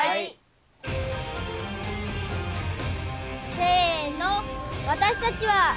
せの私たちは。